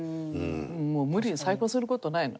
もう無理に再婚する事ないの。